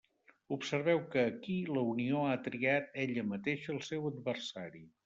Observeu que ací la Unió ha triat ella mateixa el seu adversari.